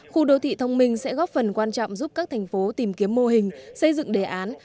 khu đô thị thông minh sẽ góp phần quan trọng giúp các thành phố tìm kiếm mô hình xây dựng đề án